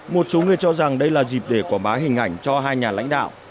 một số người cho rằng đây là dịp để quảng bá hình ảnh cho hai nhà lãnh đạo